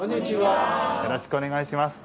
よろしくお願いします。